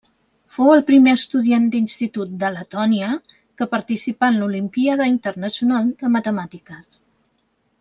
Fou el primer estudiant d'institut de Letònia que participà en l'Olimpíada Internacional de Matemàtiques.